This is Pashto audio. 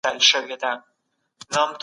فایبر د مېوې او سبزیو د هضم پروسه ورو کوي.